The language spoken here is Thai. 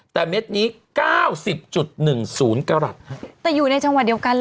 แต่เม็ดนี้เก้าสิบจุดหนึ่งศูนย์กรัฐฮะแต่อยู่ในจังหวัดเดียวกันเลย